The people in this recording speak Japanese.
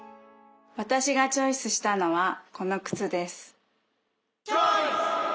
私がチョイスしたのはこの靴です。